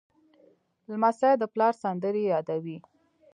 لمسی د پلار سندرې یادوي.